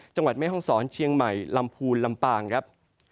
จังหวัดเมฆห้องสรเชียงใหม่ลำพูนลำปางครับ